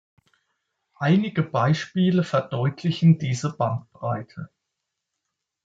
Einige Beispiele verdeutlichen diese Bandbreite.